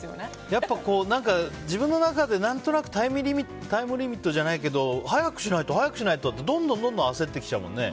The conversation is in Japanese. やっぱり自分の中で何となくタイムリミットじゃないけど早くしないとってどんどん焦ってきちゃうよね。